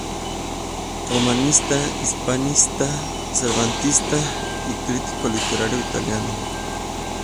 Romanista, hispanista, cervantista y crítico literario italiano.